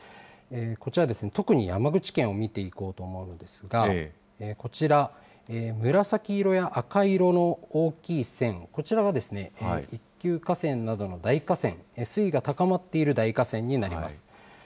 こちら、特に山口県を見ていこうと思うのですが、こちら、紫色や赤色の大きい線、こちらは一級河川などの大河川、水位が高まっている大河川になります。